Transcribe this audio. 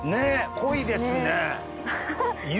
濃いですね。